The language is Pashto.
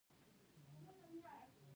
د لمر لپاره څه شی اړین دی؟